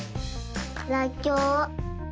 らっきょう。